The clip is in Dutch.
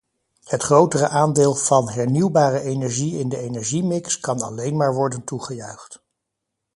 Het grotere aandeel van hernieuwbare energie in de energiemix kan alleen maar worden toegejuicht.